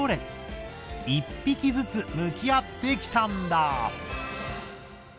一匹ずつ向き合ってきたんだ。